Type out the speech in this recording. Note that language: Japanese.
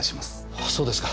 あそうですか。